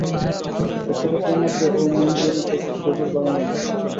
শস্যক্ষেত্রের মধ্যে ও মঞ্জরিত খেজুর বাগানের মধ্যে?